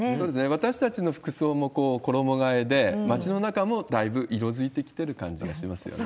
私たちの服装も衣替えで、街の中もだいぶ色づいてきてる感じがしますよね。